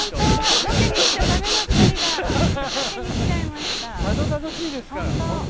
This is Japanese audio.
ロケに来ちゃだめな２人がロケに来ちゃいました。